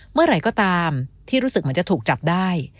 เมื่อไหร่ก็ตามที่รู้สึกเหมือนจะถูกจับได้